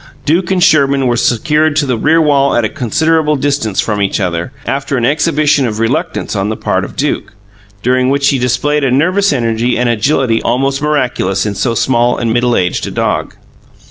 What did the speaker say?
Duke and Sherman were secured to the rear wall at a considerable distance from each other, after an exhibition of reluctance on the part of Duke, during which he displayed a nervous energy and agility almost miraculous in so small and middle aged a dog.